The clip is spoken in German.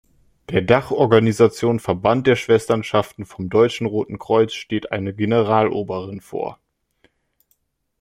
Der Dachorganisation „Verband der Schwesternschaften vom Deutschen Roten Kreuz“ steht eine Generaloberin vor.